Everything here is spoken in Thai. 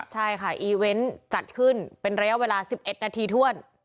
ใช่ค่ะอีเวนต์จัดขึ้นเป็นระยะเวลา๑๑นาทีถ้วน